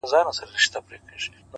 د دوى په نيت ورسره نه اوسيږو!